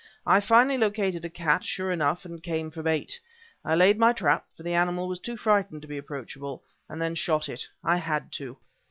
I finally located a cat, sure enough, and came for bait! I laid my trap, for the animal was too frightened to be approachable, and then shot it; I had to.